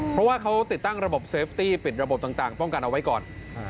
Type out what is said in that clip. เพราะว่าเขาติดตั้งระบบเซฟตี้ปิดระบบต่างป้องกันเอาไว้ก่อน